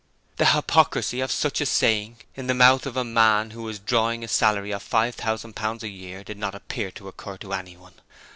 The hypocrisy of such a saying in the mouth of a man who was drawing a salary of five thousand pounds a year did not appear to occur to anyone.